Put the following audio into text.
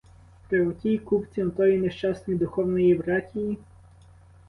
При отій купці отої нещасної духовної братії?